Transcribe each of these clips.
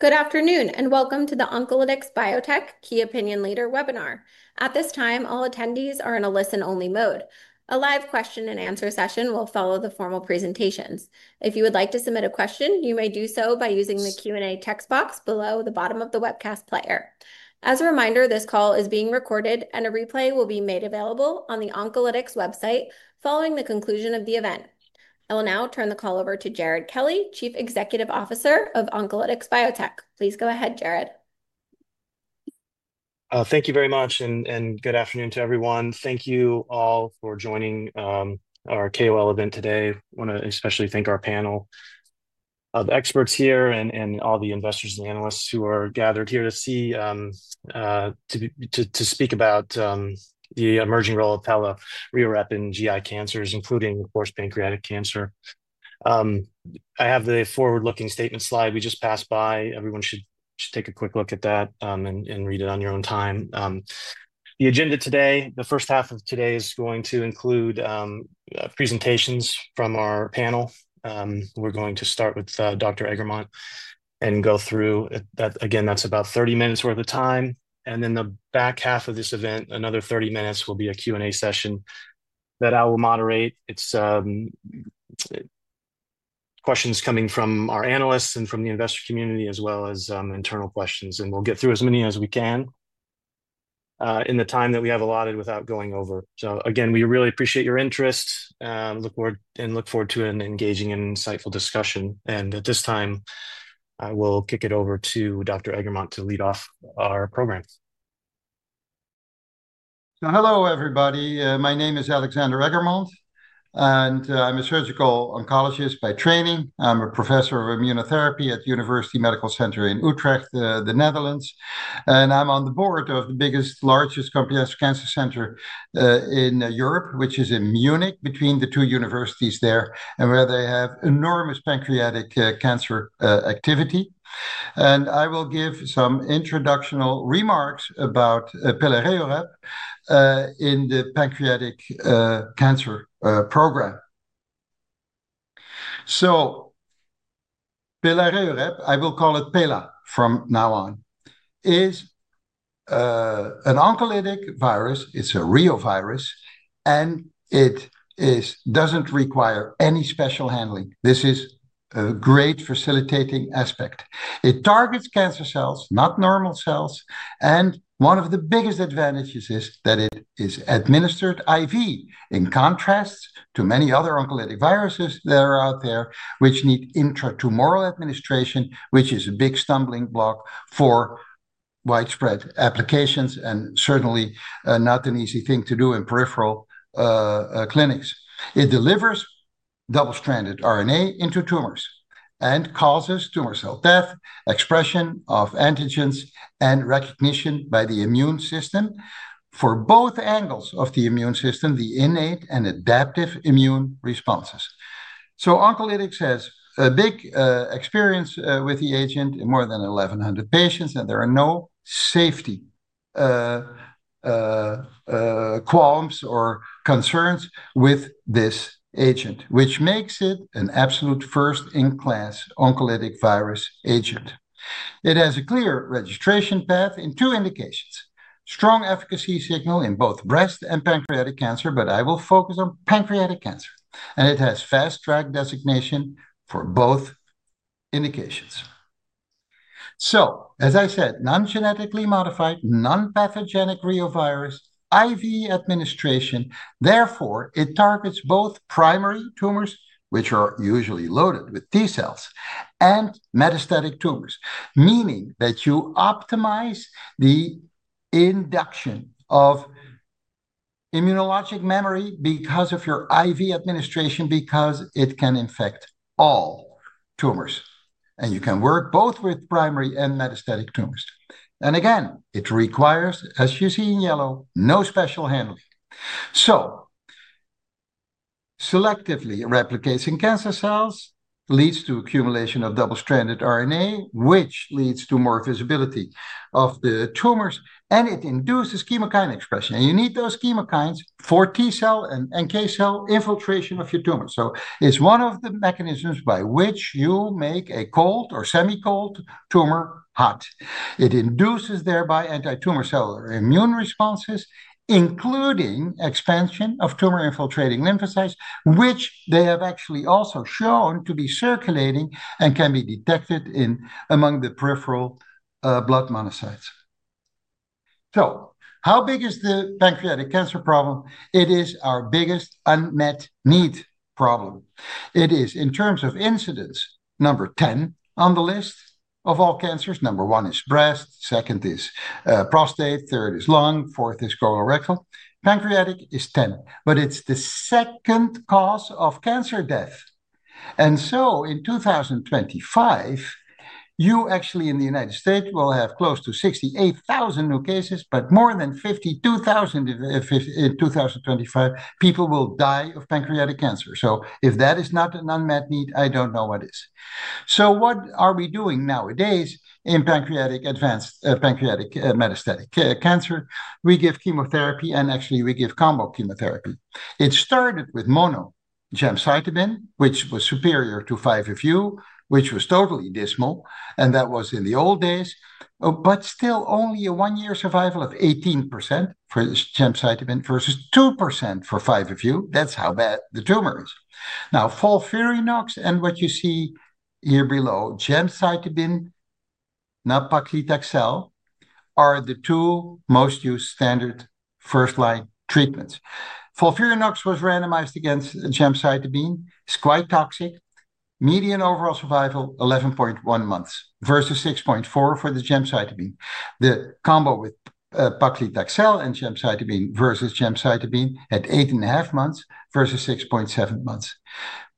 Good afternoon and welcome to the Oncolytics Biotech Key Opinion Leader Webinar. At this time, all attendees are in a listen only mode. A live question and answer session will follow the formal presentations. If you would like to submit a question, you may do so by using the Q and A text box below the bottom of the webcast player. As a reminder, this call is being recorded and a replay will be made available on the Oncolytics website following the conclusion of the event. I will now turn the call over to Jared Kelly, Chief Executive Officer of Oncolytics Biotech. Please go ahead, Jared. Thank you very much, and good afternoon to everyone. Thank you all for joining our KOL event today. I want to especially thank our panel of experts here and all the investors and analysts who are gathered here to speak about the emerging role of pelareorep in GI cancers, including, of course, pancreatic cancer. I have the forward-looking statement slide we just passed by. Everyone should just take a quick look at that and read it on your own time. The agenda today, the first half of today is going to include presentations from our panel. We're going to start with Dr. Eggermont and go through that again. That's about 30 minutes worth of time. The back half of this event, another 30 minutes, will be a Q and A session that I will moderate. It's questions coming from our analysts and from the investor community, as well as internal questions. We'll get through as many as we can in the time that we have allotted without going over. We really appreciate your interest and look forward to an engaging and insightful discussion. At this time I will kick it over to Dr. Eggermont to lead off our programs. Hello everybody. My name is Alexander Eggermont and I'm a surgical oncologist by training. I'm a Professor of Immunotherapy at University Medical Center Utrecht in the Netherlands. I'm on the board of the largest comprehensive cancer center in Europe, which is in Munich between the two universities there, where they have enormous pancreatic cancer activity. I will give some introductional remarks about pelareorep in the pancreatic cancer program. I will call it PELA from now on, is an oncolytic virus. It's a reovirus and it doesn't require any special handling. This is a great facilitating aspect. It targets cancer cells, not normal cells. One of the biggest advantages is that it is administered IV in contrast to many other oncolytic viruses that are out there, which need intertumoral administration, which is a big stumbling block for widespread applications and certainly not an easy thing to do in peripheral clinics. It delivers double stranded RNA into tumors and causes tumor cell death, expression of antigens, and recognition by the immune system for both angles of the immune system, the innate and adaptive immune responses. Oncolytics has a big experience with the agent in more than 1,100 patients. There are no safety qualms or concerns with this agent, which makes it an absolute first-in-class oncolytic virus agent. It has a clear registration path and strong efficacy signal in both breast and pancreatic cancer. I will focus on pancreatic cancer and it has fast track designation for both indications. As I said, non-genetically modified, non-pathogenic reovirus IV administration. Therefore, it targets both primary tumors, which are usually loaded with T cells, and metastatic tumors, meaning that you optimize the induction of immunologic memory because of your IV administration, because it can infect all tumors and you can work both with primary and metastatic tumors. It requires, as you see in yellow, no special handling. Selectively replicating cancer cells leads to accumulation of double stranded RNA, which leads to more visibility of the tumors. It induces chemokine expression and you need those chemokines for T cell and K cell infiltration of your tumor. It's one of the mechanisms by which cold or semi-cold tumor hot. It induces thereby antitumor cellular immune responses, including expansion of tumor-infiltrating lymphocytes, which they have actually also shown to be circulating and can be detected among the peripheral blood monocytes. How big is the pancreatic cancer problem? It is our biggest unmet need problem. It is in terms of incidence, number 10 on the list of all cancers. Number one is breast, second is prostate, third is lung, fourth is colorectal, pancreatic is 10th, but it's the second cause of cancer death. In 2025, you actually in the United States will have close to 68,000 new cases. More than 52,000 in 2025 people will die of pancreatic cancer. If that is not an unmet need, I don't know what is. What are we doing nowadays in advanced pancreatic metastatic cancer? We give chemotherapy and actually we give combo chemotherapy. It started with mono gemcitabine, which was superior to 5-FU, which was totally dismal. That was in the old days, but still only a one year survival of 18% for gemcitabine versus 2% for 5-FU. That's how bad the tumor is. Now, FOLFIRINOX and what you see here below, gemcitabine, nab-paclitaxel are the two most used standard first-line treatments. FOLFIRINOX was randomized against gemcitabine. It's quite toxic. Median overall survival 11.1 months vs 6.4 for the gemcitabine, the combo with paclitaxel and gemcitabine vs gemcitabine at 8.5 months vs 6.7 months,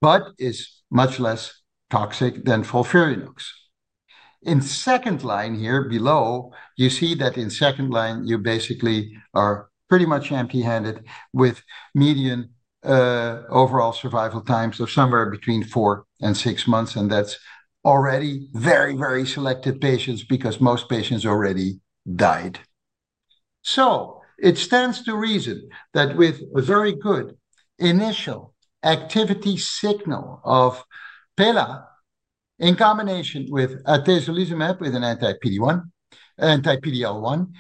but is much less toxic than FOLFIRINOX. In second line, here below you see that in second line you basically are pretty much empty handed with median overall survival times of somewhere between four and six months. That's already very, very selective patients because most patients already died. It stands to reason that with a very good initial activity signal of PELA in combination with atezolizumab with an anti-PD-L1,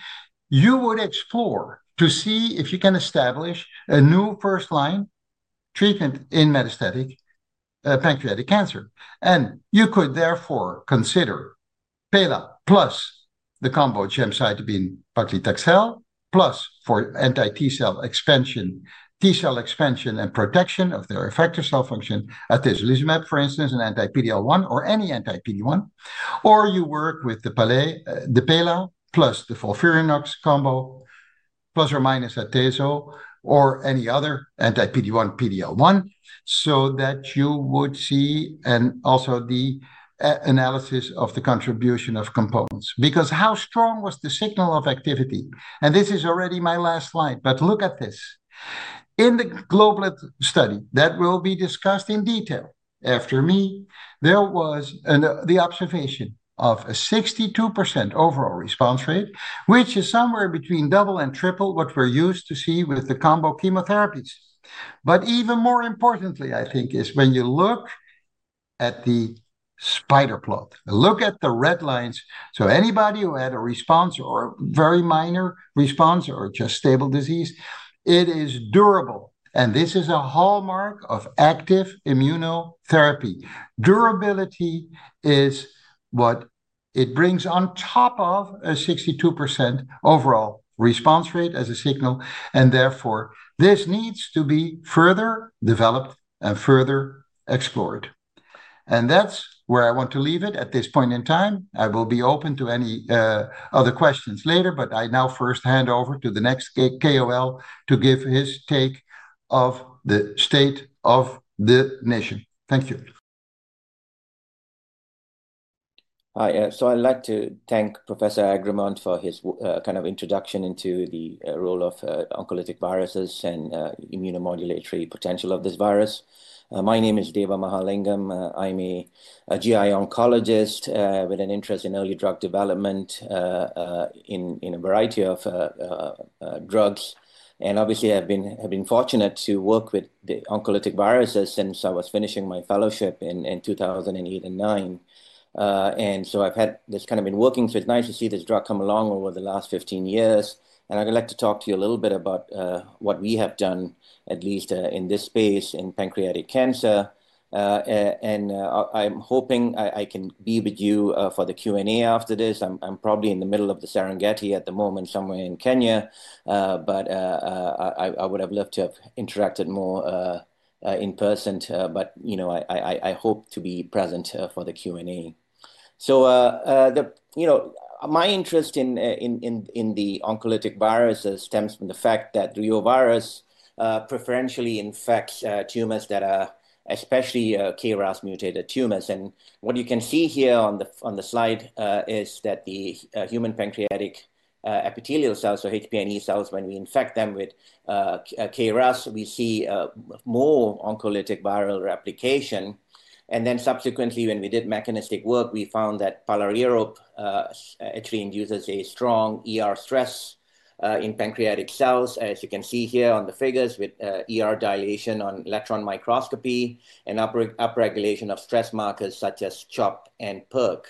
you would explore to see if you can establish a new first-line treatment in metastatic pancreatic cancer. You could therefore consider PELA plus the combo gemcitabine, paclitaxel plus for anti-T cell expansion, T cell expansion and protection of their effector cell function, atezolizumab for instance in anti-PD-L1 or any anti-PD-1, or you work with the PELA plus the FOLFIRINOX combo plus or minus atezo or any other anti-PD-1, PD-L1. You would see also the analysis of the contribution of component, strong was the signal of activity. This is already my last slide. Look at this. In the GOBLET study that will be discussed in detail after me, there was the observation of a 62% overall response rate, which is somewhere between double and triple what we're used to see with the combo chemotherapies. Even more importantly, I think, is when you look at the spider plot, look at the red lines. Anybody who had a response or a very minor response or just stable disease, it is durable and this is a hallmark of active immunotherapy. Durability is what it brings on top of a 62% overall response rate as a signal. Therefore, this needs to be further developed and further explored. That's where I want to leave it at this point in time. I will be open to any other questions later, but I now first hand over to the next KOL to give his take of the state of the nation. Thank you. Hi, so I'd like to thank Professor Eggermont for his kind introduction into the role of oncolytic viruses and immunomodulatory potential of this virus. My name is Deva Mahalingam. I'm a GI oncologist with an interest in early drug development in a variety of drugs and obviously have been fortunate to work with the oncolytic viruses since I was finishing my fellowship in 2008 and 2009. I've had this kind of been working. It's nice to see this drug come along over the last 15 years. I'd like to talk to you a little bit about what we have done, at least in this space in pancreatic cancer. I'm hoping I can be with you for the Q and A after this. I'm probably in the middle of the Serengeti at the moment, somewhere in Kenya, but I would have loved to have interacted more in person. I hope to be present for the Q and A. My interest in the oncolytic virus stems from the fact that reovirus preferentially infects tumors that are especially KRAS-mutant tumors. What you can see here on the slide is that the human pancreatic epithelial cells, or HPNE cells, when we infect them with KRAS, we see more oncolytic viral replication. Subsequently, when we did mechanistic work, we found that pelareorep actually induces a strong ER stress in pancreatic cells, as you can see here on the figures with ER dilation on electron microscopy and upregulation of stress markers such as CHOP and PERK,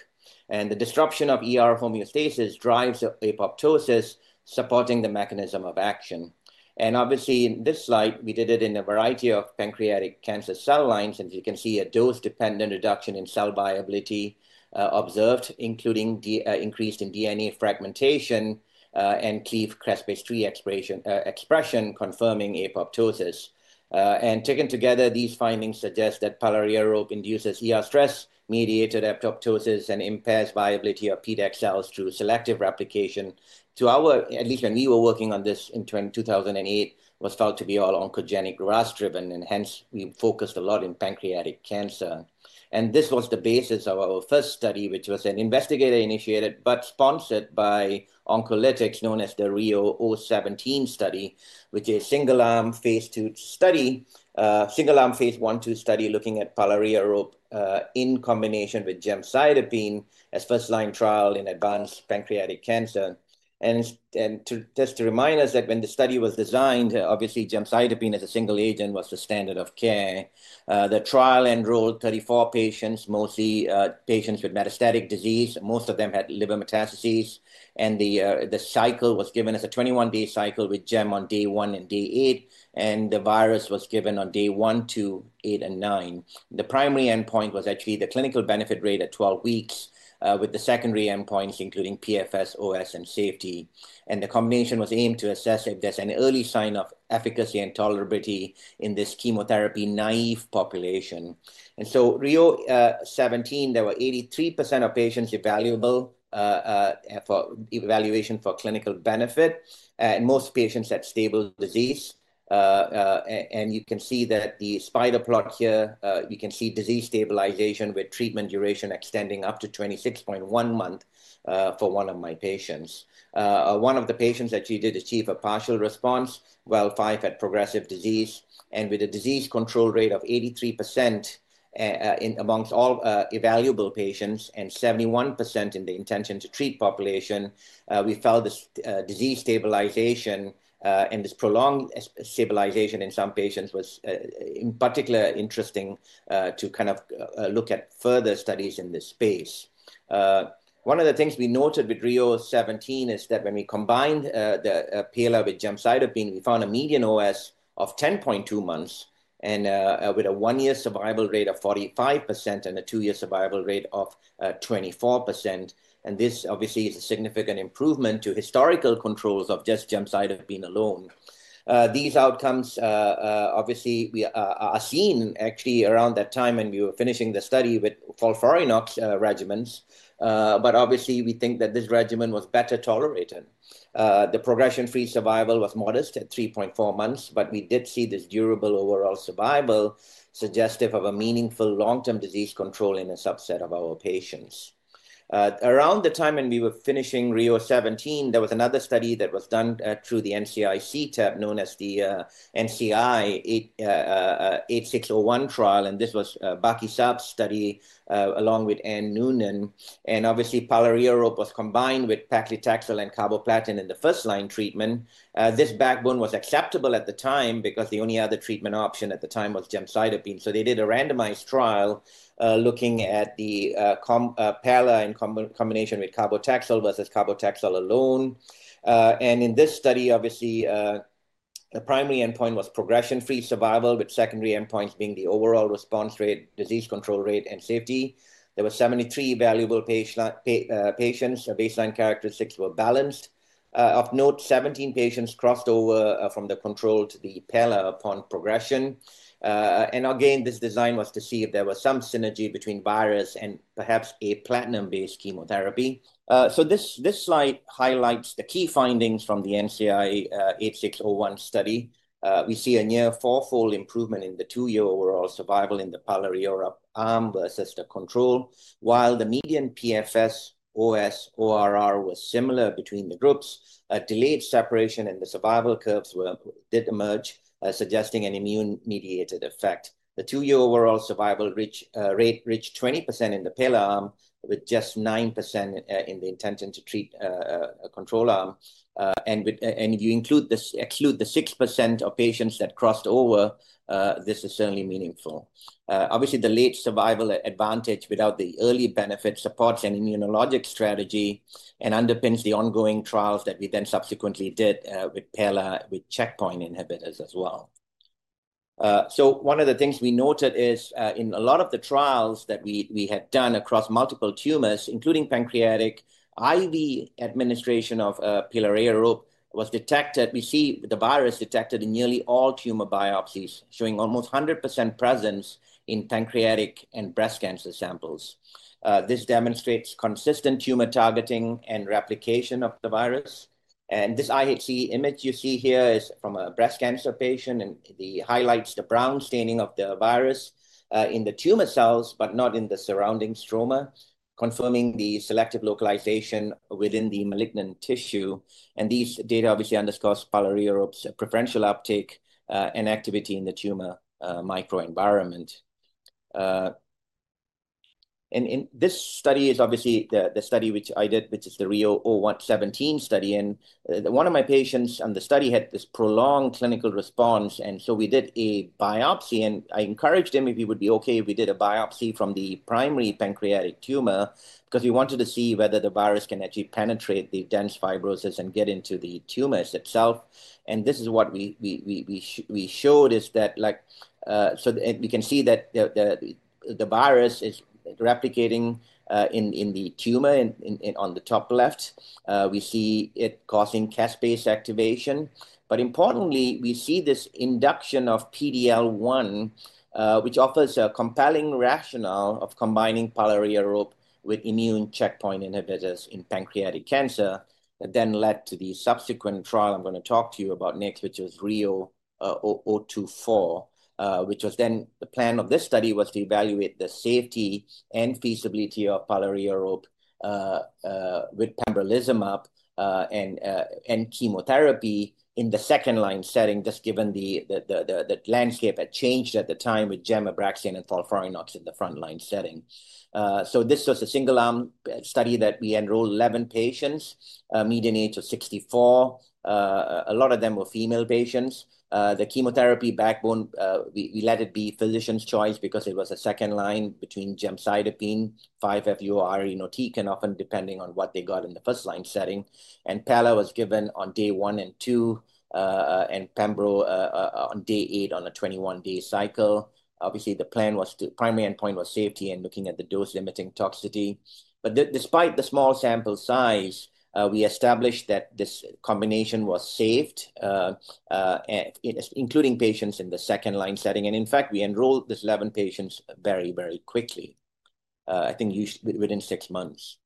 and the disruption of ER homeostasis drives apoptosis, supporting the mechanism of action. In this slide, we did it in a variety of pancreatic cancer cell lines. You can see a dose-dependent reduction in cell viability observed, including increase in DNA fragmentation and cleaved caspase-3 expression, confirming apoptosis. Taken together, these findings suggest that pelareorep induces ER stress-mediated apoptosis and impairs viability of PDAC cells through selective replication. At least when we were working on this in 2008, it was found to be all oncogenic RAS-driven, and hence we focused a lot in pancreatic cancer. This was the basis of our first study, which was an investigator-initiated but sponsored by Oncolytics, known as the REO 017 study, which is a single-arm phase II study, single-arm phase I/II study looking at pelareorep in combination with gemcitabine as first-line trial in advanced pancreatic cancer. Just to remind us that when the study was designed, obviously gemcitabine as a single agent was the standard of care. The trial enrolled 34 patients, mostly patients with metastatic disease. Most of them had liver metastases. The cycle was given as a 21-day cycle with gemcitabine on day one and day eight, and the virus was given on day one, two, eight, and nine. The primary endpoint was actually the clinical benefit rate at 12 weeks, with the secondary endpoints including PFS, OS, and safety. The combination was aimed to assess if there's an early sign of efficacy and tolerability in this chemotherapy-naive population. In REO 017, there were 83% of patients evaluable for evaluation for clinical benefit, and most patients had stable disease. You can see that the spider plot here shows disease stabilization with treatment duration extending up to 26.1 months. For one of my patients, one of the patients actually did achieve a partial response, while 5 had progressive disease. With a disease control rate of 83% amongst all evaluable patients and 71% in the intention-to-treat population, we felt this disease stabilization and this prolonged stabilization in some patients was in particular interesting to look at further studies in this space. One of the things we noted with REO 017 is that when we combined the pelareorep with gemcitabine, we found a median OS of 10.2 months with a one-year survival rate of 45% and a two-year survival rate of 24%. This obviously is a significant improvement to historical controls of just gemcitabine alone. These outcomes are seen actually around that time when we were finishing the study with FOLFIRINOX regimens. We think that this regimen was better tolerated. The progression-free survival was modest at 3.4 months, but we did see this durable overall survival suggestive of a meaningful long-term disease control in a subset of our patients. Around the time when we were finishing REO 017, there was another study that was done through the NCI CTAC known as the NCI-8601 trial. This was Bekaii-Saab's study along with Anne Noonan. Pelareorep was combined with paclitaxel and carboplatin in the first-line treatment. This backbone was acceptable at the time because the only other treatment option at the time was gemcitabine. They did a randomized trial looking at the PELA in combination with carbo-taxel versus carbo-taxel alone. In this study, obviously the primary endpoint was progression free survival, with secondary endpoints being the overall response rate, disease control rate, and safety. There were 73 evaluable patients. Baseline characteristics were balanced. Of note, 17 patients crossed over from the control to the PELA upon progression. This design was to see if there was some synergy between virus and perhaps a platinum based chemotherapy. This slide highlights the key findings from the NCI-8601 study. We see a near fourfold improvement in the two year overall survival in the pelareorep arm versus the control. While the median PFS, OS, ORR was similar between the groups, a delayed separation in the survival curves did emerge, suggesting an immune mediated effect. The two year overall survival rate reached 20% in the PELA arm, with just 9% in the intention to treat control arm. If you exclude the 6% of patients that crossed over, this is certainly meaningful. The late survival advantage without the early benefit supports an immunologic strategy and underpins the ongoing trials that we then subsequently did with PELA with checkpoint inhibitors as well. One of the things we noted is in a lot of the trials that we had done across multiple tumors, including pancreatic, IV administration of pelareorep was detected. We see the virus detected in nearly all tumor biopsies, showing almost 100% presence in pancreatic and breast cancer samples. This demonstrates consistent tumor targeting and replication of the virus. This IHC image you see here is from a breast cancer patient and highlights the brown staining of the virus in the tumor cells but not in the surrounding stroma, confirming the selective localization within the malignant tissue. These data obviously underscore pelareorep's preferential uptake and activity in the tumor microenvironment. This study is obviously the study which I did, which is the REO 017 study. One of my patients on the study had this prolonged clinical response. We did a biopsy and I encouraged him if he would be okay if we did a biopsy from the primary pancreatic tumor because we wanted to see whether the virus can actually penetrate the dense fibrosis and get into the tumors itself. This is what we showed is that like. We can see that the virus is replicating in the tumor. On the top left, we see it causing caspase activation, but importantly, we see this induction of PD-L1, which offers a compelling rationale for combining pelareorep with immune checkpoint inhibitors in pancreatic cancer. This led to the subsequent trial I'm going to talk to you about next, which is REO 024. The plan of this study was to evaluate the safety and feasibility of pelareorep with pembrolizumab and chemotherapy in the second-line setting, given the landscape had changed at the time with gemcitabine, nab-paclitaxel, and FOLFIRINOX in the front-line setting. This was a single-arm study that enrolled 11 patients, median age of 64. A lot of them were female patients. The chemotherapy backbone was physician's choice because it was a second line between gemcitabine, 5-FU, or irinotecan, often depending on what they got in the first-line setting. PELA was given on day one and two, and pembro on day eight on a 21-day cycle. The primary endpoint was safety and looking at the dose-limiting toxicity. Despite the small sample size, we established that this combination was safe, including patients in the second-line setting. In fact, we enrolled these 11 patients very quickly, I think within six months.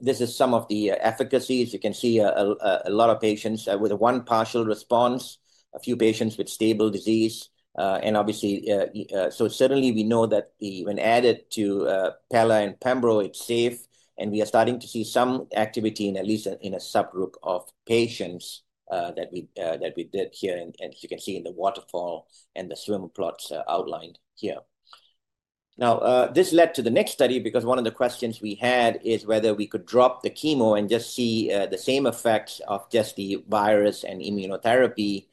This is some of the efficacy data. You can see a lot of patients with one partial response, a few patients with stable disease, so certainly we know that when added to PELA and pembro, it's safe. We are starting to see some activity in at least a subgroup of patients that we did here, as you can see in the waterfall and the swim plots outlined here. This led to the next study because one of the questions we had was whether we could drop the chemo and just see the same effects of just the virus and immunotherapy.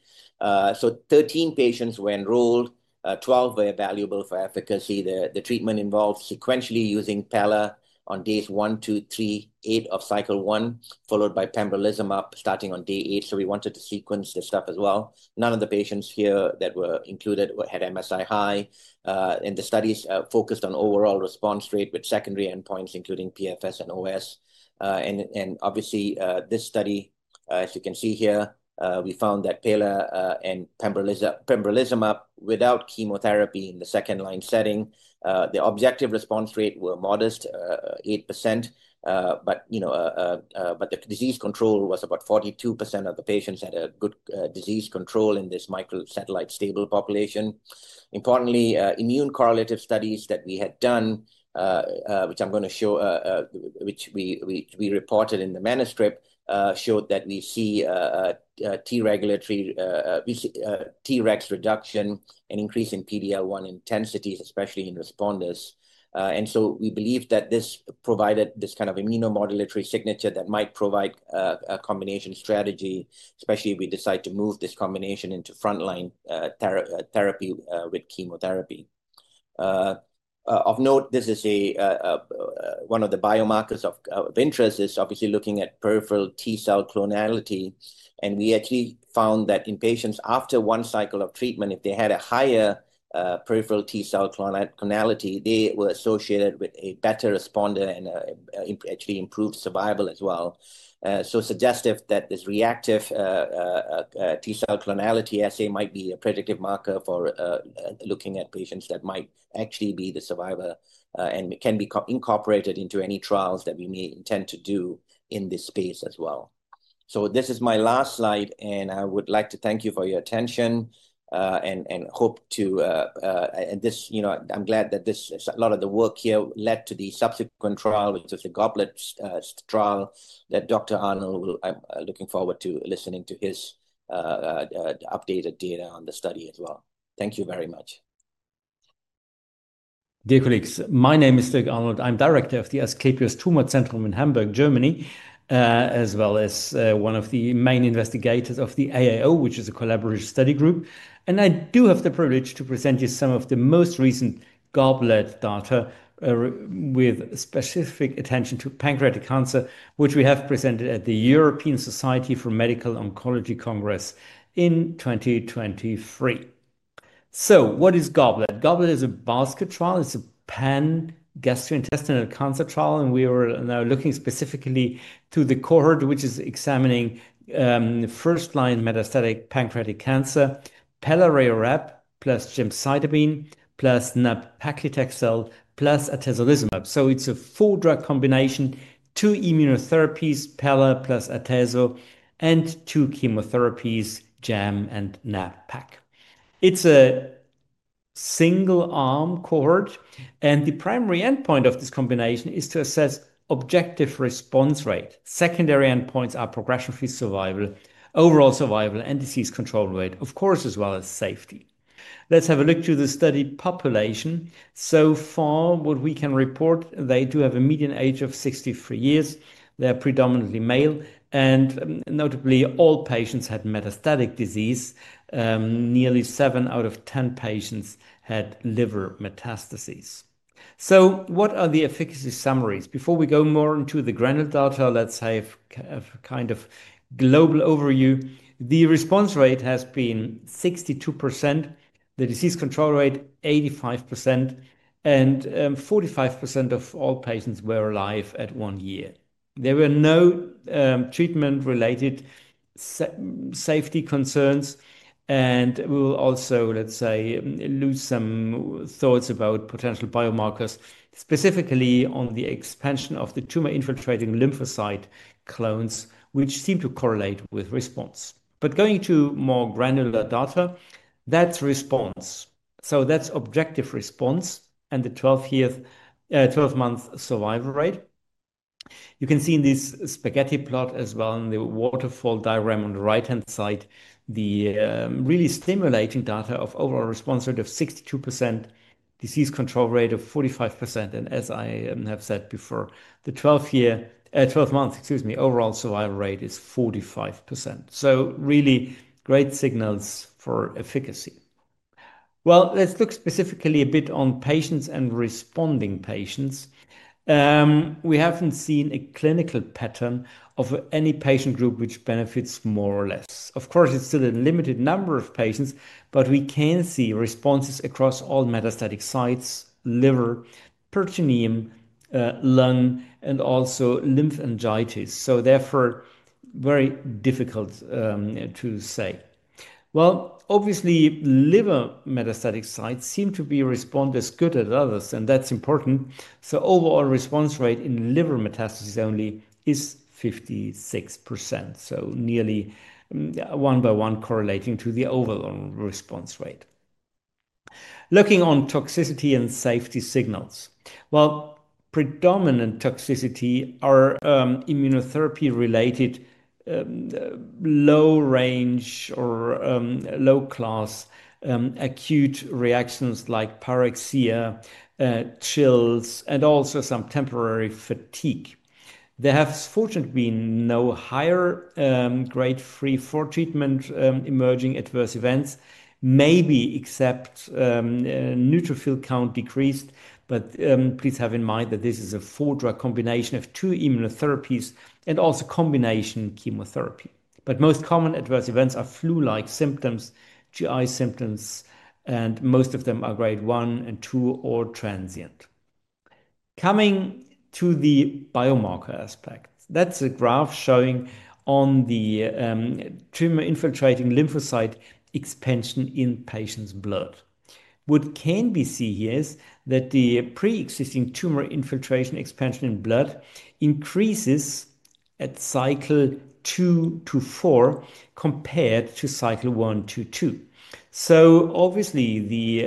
Thirteen patients were enrolled, 12 were evaluable for efficacy. The treatment involved sequentially using PELA on days one, two, three, and eight of cycle one, followed by pembrolizumab starting on day eight. We wanted to sequence this as well. None of the patients included had MSI-high, and the study focused on overall response rate with secondary endpoints including PFS and OS. Obviously, this study, as you can see here, we found that PELA and pembrolizumab without chemotherapy in the second-line setting, the objective response rate was modest, 8%, but the disease control was about 42% of the patients had a good disease control in this microsatellite stable population. Importantly, immune correlative studies that we had done, which I'm going to show, which we reported in the manuscript, showed that we see T regulatory T regs reduction and increase in PD-L1 intensities, especially in responders. We believe that this provided this kind of immunomodulatory signature that might provide a combination strategy, especially if we decide to move this combination into frontline therapy with chemotherapy. Of note, one of the biomarkers of interest is obviously looking at peripheral T cell clonality. We actually found that in patients after one cycle of treatment, if they had a higher peripheral T cell clonality, they were associated with a better responder and actually improved survival as well. This is suggestive that this reactive T cell clonality assay might be a predictive marker for looking at patients that might actually be the survivor and can be incorporated into any trials that we may intend to do in this space as well. This is my last slide and I would like to thank you for your attention. I'm glad that a lot of the work here led to the subsequent trial, which is the GOBLET trial that Dr. Arnold, I'm looking forward to listening to his updated data on the study as well. Thank you very much. Dear colleagues, my name is Dirk Arnold. I'm Director of the Asklepios Tumorzentrum in Hamburg, Germany, as well as one of the main investigators of the AIO, which is a collaborative study group. I do have the privilege to present you some of the most recent GOBLET data with specific attention to pancreatic cancer, which we have presented at the European Society for Medical Oncology Congress in 2023. What is GOBLET? GOBLET is a basket trial. It's a pan gastrointestinal cancer trial. We are now looking specifically to the cohort which is examining first-line metastatic pancreatic cancer. PELA plus gemcitabine plus nab-paclitaxel plus atezolizumab. It's a full drug combination. Two immunotherapies, PELA plus atezo, and two chemotherapies, gem and nab-pac. It's a single-arm cohort and the primary endpoint of this combination is to assess objective response rate. Secondary endpoints are progression-free survival, overall survival, and disease control rate, of course, as well as safety. Let's have a look to the study population. So far, what we can report, they do have a median age of 63 years. They're predominantly male and notably all patients had metastatic disease. Nearly 7 out of 10 patients had liver metastases. What are the efficacy summaries before we go more into the granular data? Let's have kind of global overview. The response rate has been 62%, the disease control rate 85%, and 45% of all patients were alive at one year. There were no treatment-related safety concerns. We will also, let's say, lose some thoughts about potential biomarkers, specifically on the expansion of the tumor-infiltrating lymphocyte clones which seem to correlate with response. Going to more granular data. That's response, so that's objective response and the 12-month survival rate. You can see in this spaghetti plot as well in the waterfall diagram on the right-hand side the really stimulating data of overall response rate of 62%, disease control rate of 85%, and as I have said before, the 12-month, excuse me, overall survival rate is 45%. Really great signals for efficacy. Let's look specifically a bit on patients and responding patients. We haven't seen a clinical pattern of any patient group which benefits more or less. Of course, it's still a limited number of patients but we can see responses across all metastatic sites, liver, peritoneum, lung, and also lymphangitis. Therefore, very difficult to say. Obviously, liver metastatic sites seem to respond as well as others and that's important. The overall response rate in liver metastases only is 56%, nearly one-to-one correlating to the overall response rate. Looking at toxicity and safety signals, the predominant toxicities are immunotherapy-related, low-range or low-class acute reactions like pyrexia, chills, and also some temporary fatigue. There have fortunately been no higher grade three or four treatment-emerging adverse events, maybe except neutrophil count decreased. Please have in mind that this is a four-drug combination of two immunotherapies and combination chemotherapy. The most common adverse events are flu-like symptoms and GI symptoms, and most of them are grade one and two or transient. Coming to the biomarker aspect, that's a graph showing the tumor-infiltrating lymphocyte expansion in patients' blood. What we can see here is that the pre-existing tumor infiltration expansion in blood increases at cycle two to four compared to cycle one to two. Obviously, the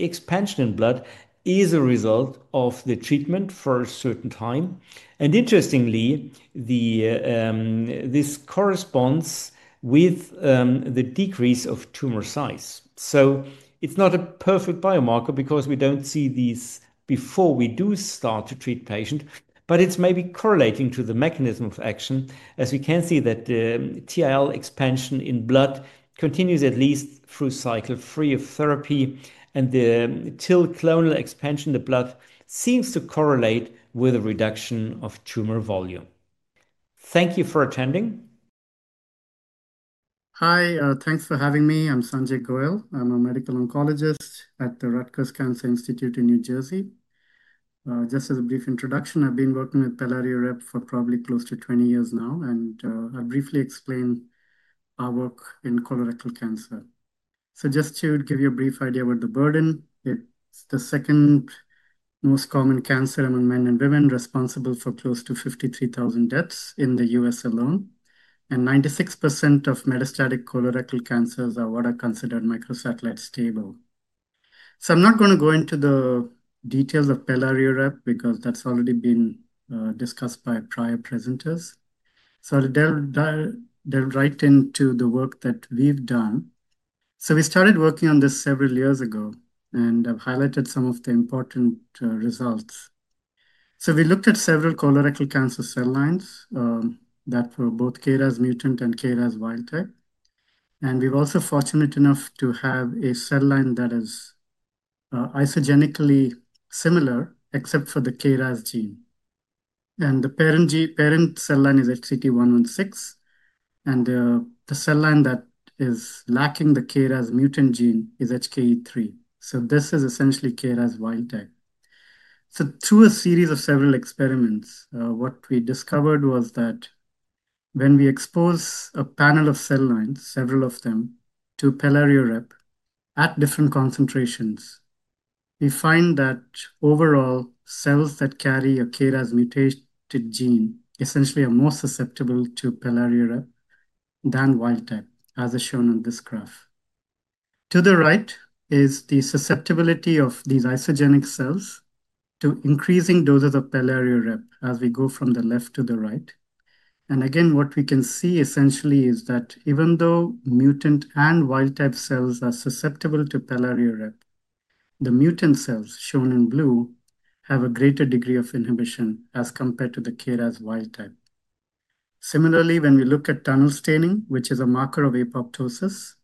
expansion in blood is a result of the treatment for a certain time, and interestingly, this corresponds with the decrease of tumor size. It's not a perfect biomarker because we don't see these before we start to treat the patient, but it may be correlating to the mechanism of action as we can see that the TIL expansion in blood continues at least through cycle three of therapy, and the TIL clonal expansion in the blood seems to correlate with a reduction of tumor volume. Thank you for attending. Hi, thanks for having me. I'm Sanjay Goel. I'm a medical oncologist at the Rutgers Cancer Institute in New Jersey. Just as a brief introduction, I've been working with pelareorep for probably close to 20 years now, and I'll briefly explain our work in colorectal cancer. Just to give you a brief idea about the burden, it's the second most common cancer among men and women, responsible for close to 53,000 deaths in the U.S. alone. 96% of metastatic colorectal cancers are what are considered microsatellite stable. I'm not going to go into the details of pelareorep because that's already been discussed by prior presenters. I'll delve right into the work that we've done. We started working on this several years ago and I've highlighted some of the important results. We looked at several colorectal cancer cell lines that were both KRAS-mutant and KRAS-wild type, and we were also fortunate enough to have a cell line that is isogenically similar, except for the KRAS gene, and the parent cell line is HCT 116. The cell line that is lacking the KRAS-mutant gene is HKE3. This is essentially KRAS wild type. Through a series of several experiments, what we discovered was that when we expose a panel of cell lines, several of them to pelareorep at different concentrations, we find that overall, cells that carry a KRAS mutated gene essentially are more susceptible to pelareorep than wild type, as is shown on this graph. To the right is the susceptibility of these isogenic cells to increasing doses of pelareorep as we go from the left to the right, and again, what we can see essentially is that even though mutant and wild type cells are susceptible to pelareorep, the mutant cells shown in blue have a greater degree of inhibition as compared to the KRAS-wild type. Similarly, when we look at TUNEL staining, which is a marker of apoptosis,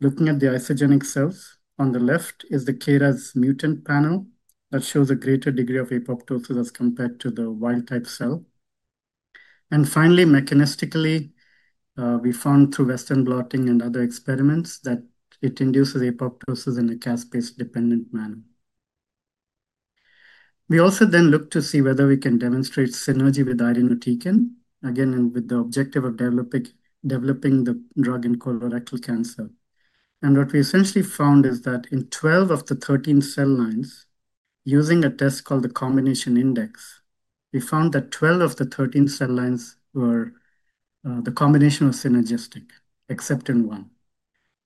looking at the isogenic cells, on the left is the KRAS-mutant panel that shows a greater degree of apoptosis as compared to the wild type cell. Finally, mechanistically, we found through Western blotting and other experiments that it induces apoptosis in a caspase dependent manner. We also then look to see whether we can demonstrate synergy with irinotecan again with the objective of developing the drug in colorectal cancer. What we essentially found is that in 12 of the 13 cell lines, using a test called the combination index, we found that 12 of the 13 cell lines were the combination was synergistic except in one.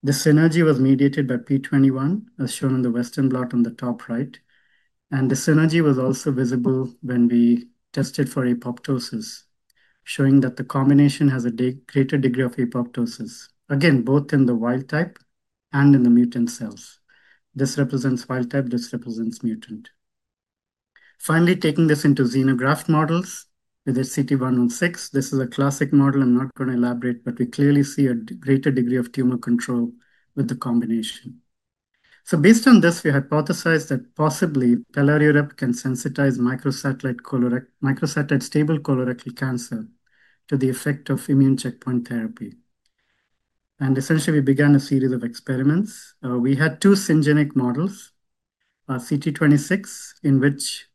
The synergy was mediated by p21 as shown in the western blot on the top right. The synergy was also visible when we tested for apoptosis, showing that the combination has a greater degree of apoptosis again both in the wild type and in the mutant cells. This represents wild type, this represents mutant. Finally, taking this into xenograft models with the CT116, this is a classic model. I'm not going to elaborate, but we clearly see a greater degree of tumor control with the combination. Based on this, we hypothesized that possibly pelareorep can sensitize microsatellite stable colorectal cancer to the effect of immune checkpoint therapy. Essentially, we began a series of experiments. We had two syngeneic models: CT26, in which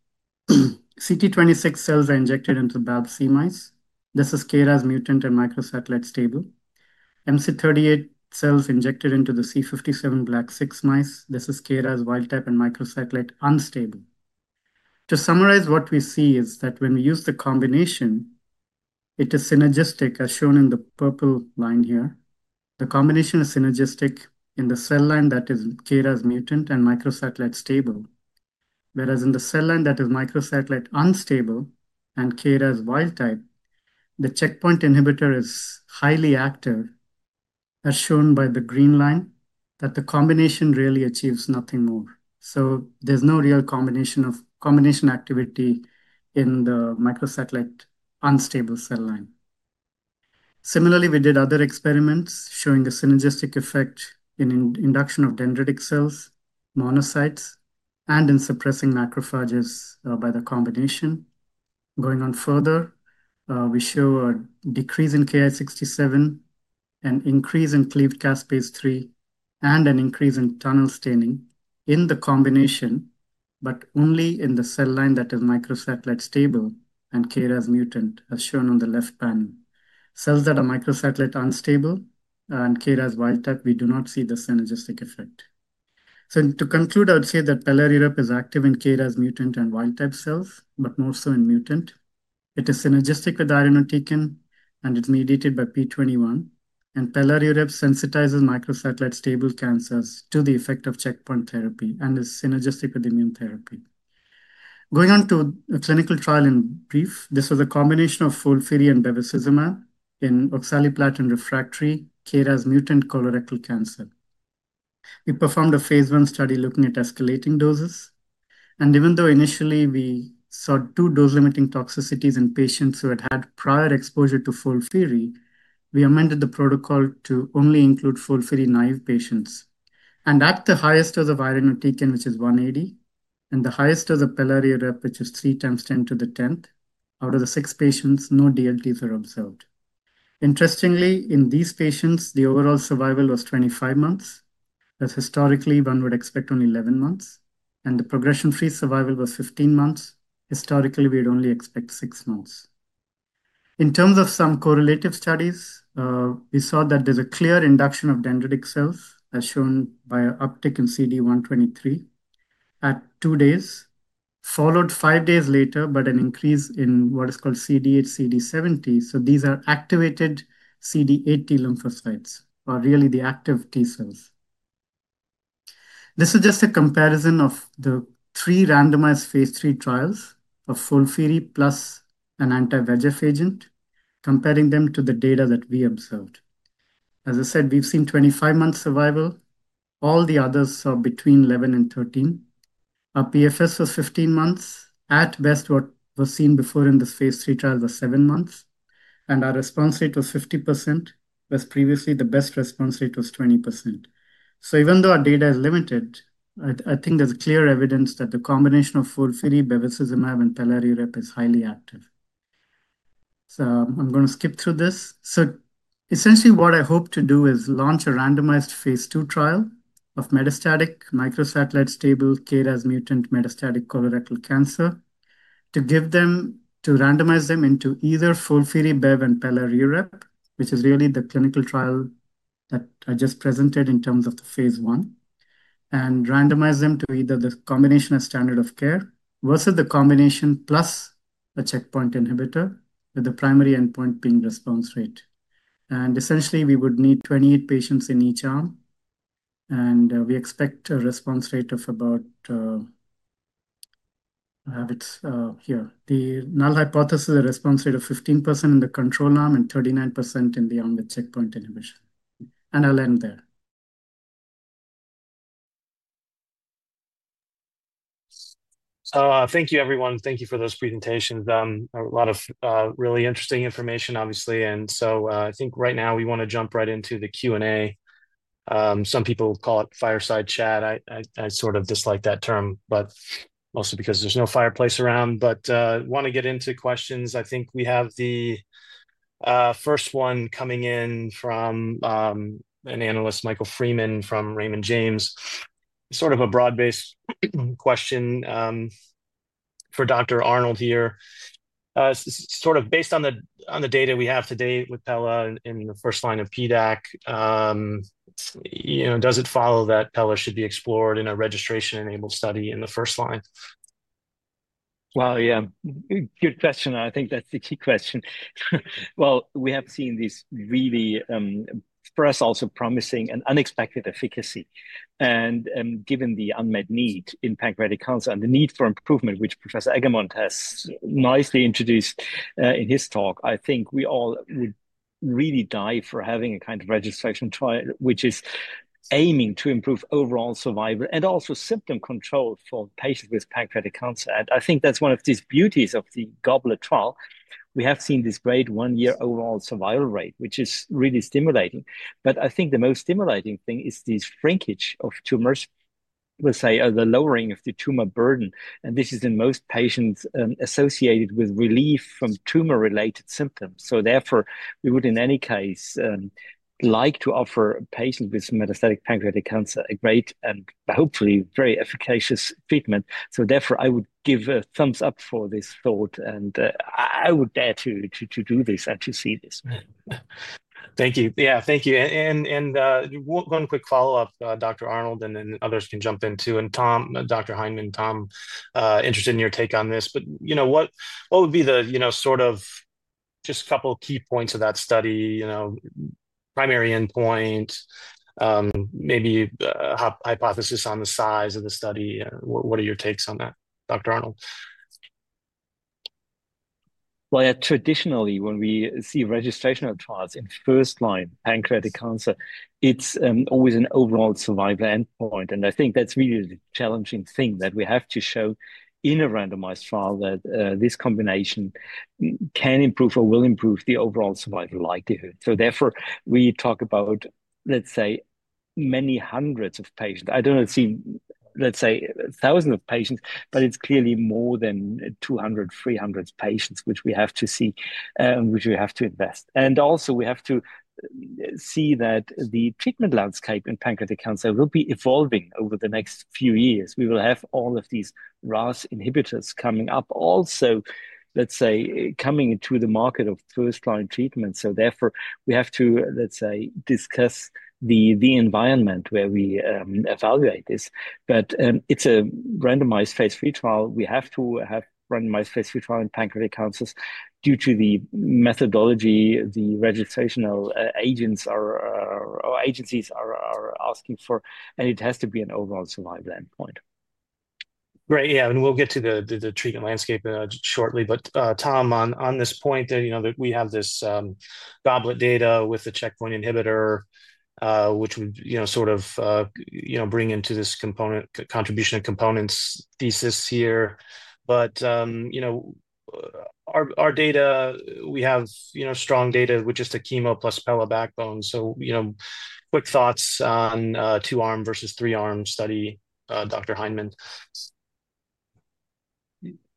CT26 cells are injected into BALB/c mice. This is KRAS mutant and microsatellite stable. MC38 cells injected into the C57BL/6 mice. This is KRAS wild type and microsatellite unstable. To summarize, what we see is that when we use the combination it is synergistic as shown in the purple line. Here the combination is synergistic in the cell line that is KRAS-mutant and microsatellite stable, whereas in the cell line that is microsatellite unstable and KRAS-wild type, the checkpoint inhibitor is highly active as shown by the green line, that the combination really achieves nothing more, so there's no real combination activity in the microsatellite unstable cell line. Similarly, we did other experiments showing the synergistic effect in induction of dendritic cells, monocytes, and in suppressing macrophages by the combination. Going on further, we show a decrease in Ki67, an increase in cleaved caspase-3, and an increase in TUNEL staining in the combination, but only in the cell line that is microsatellite stable and KRAS-mutant as shown on the left panel. Cells that are microsatellite unstable and KRAS-wild type, we do not see the synergistic effect. To conclude, I would say that pelareorep is active in KRAS-mutant and wild type cells, but more so in mutant. It is synergistic with gemcitabine and it's mediated by p21, and pelareorep sensitizes microsatellite stable cancers to the effect of checkpoint therapy and is synergistic with immune therapy. Going on to a clinical trial. In brief, this was a combination of FOLFIRI and bevacizumab in oxaliplatin-refractory KRAS-mutant colorectal cancer. We performed a phase I study looking at escalating doses, and even though initially we saw two dose-limiting toxicities in patients who had had prior exposure to FOLFIRI, we amended the protocol to only include FOLFIRI-naive patients. At the highest dose of irinotecan, which is 180, and the highest dose of pelareorep, which is 3 x 10^10, out of the 6 patients, no DLTs were observed. Interestingly, in these patients the overall survival was 25 months. Historically, one would expect only 11 months, and the progression-free survival was 15 months. Historically, we'd only expect 6 months. In terms of some correlative studies, we saw that there's a clear induction of dendritic cells as shown by an uptick in CD123 at two days, followed five days later by an increase in what is called CD8 CD70. These are activated CD8 lymphocytes or really the active T cells. This is just a comparison of the three randomized phase III trials of FOLFIRI plus an anti-VEGF agent. Comparing them to the data that we observed, as I said, we've seen 25 months survival. All the others are between 11 and 13. Our PFS was 15 months at best. What was seen before in this phase III trial was seven months, and our response rate was 50% whereas previously the best response rate was 20%. Even though our data is limited, I think there's clear evidence that the combination of FOLFIRI, bevacizumab, and pelareorep is highly active. I'm going to skip through this. Essentially, what I hope to do is launch a randomized phase II trial of metastatic microsatellite-stable KRAS-mutant metastatic colorectal cancer to randomize them into either FOLFIRI, bev, and pelareorep, which is really the clinical trial that I just presented in terms of the phase I, and randomize them to either the combination of standard of care versus the combination plus a checkpoint inhibitor, with the primary endpoint being response rate. Essentially, we would need 28 patients in each arm, and we expect a response rate of about here. The null hypothesis is a response rate of 15% in the control arm and 39% in the ongoing checkpoint inhibition. I'll end there. Thank you everyone. Thank you for those presentations. A lot of really interesting information, obviously. I think right now we want to jump right into the Q and A. Some people call it fireside chat. I sort of dislike that term, mostly because there's no fireplace around. I want to get into questions. I think we have the first one coming in from an analyst, Michael Freeman from Raymond James. Sort of a broad based question for Dr. Arnold here, sort of based on the data we have today with PELA in the first line of PDAC. You know, does it follow that PELA should be explored in a registration enabled study in the first line? Good question. I think that's the key question. We have seen this really for us also promising and unexpected efficacy. Given the unmet need in pancreatic cancer and the need for improvement which Professor Eggermont has nicely introduced in his talk, I think we all would really die for having a kind of registration trial which is aiming to improve overall survival and also symptom control for patients with pancreatic cancer. I think that's one of these beauties of the GOBLET trial. We have seen this great one year overall survival rate which is really stimulating. I think the most stimulating thing is these shrinkage of tumors. We'll say the lowering of the tumor burden and this is in most patients associated with relief from tumor related symptoms. Therefore we would in any case like to offer patients with metastatic pancreatic cancer a great and hopefully very efficacious treatment. Therefore I would give a thumbs up for this thought and I would dare to do this and to see this. Thank you. Yeah, thank you. One quick follow up, Dr. Arnold, and then others can jump in too. Dr. Heineman, Tom, interested in your take on this. What would be the sort of just a couple of key points of that study, primary endpoint, maybe hypothesis on the size of the study. What are your takes on that, Dr. Arnold? Traditionally, when we see registration of trials in first-line pancreatic cancer, it's always an overall survival endpoint. I think that's really the challenging thing that we have to show in a randomized trial, that this combination can improve or will improve the overall survival likelihood. Therefore, we talk about, let's say, many hundreds of patients. I don't see, let's say, thousands of patients, but it's clearly more than 200, 300 patients, which we have to see, which we have to invest. We also have to see that the treatment landscape in pancreatic cancer will be evolving over the next few years. We will have all of these RAS inhibitors coming up, also, let's say, coming into the market of first-line treatments. Therefore, we have to, let's say, discuss the environment where we evaluate this. It's a randomized phase III trial. We have to have randomized phase III in pancreatic cancers due to the methodology the registrational agents or agencies are asking for. It has to be an overall survival endpoint. Great. Yeah. We'll get to the treatment landscape shortly. Tom, on this point, you know that we have this GOBLET data with the checkpoint inhibitor, which would bring into this component contribution components thesis here. You know, our data, we have strong data with just a chemo plus PELA backbone. Quick thoughts on two arm versus three arm study, Dr. Heineman.